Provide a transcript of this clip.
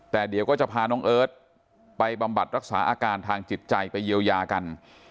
แต่เดี๋ยวก็จะพาน้องเอิร์ทไปบำบัดรักษาอาการทางจิตใจไปเยียวยากัน